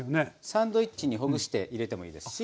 サンドイッチにほぐして入れてもいいですし。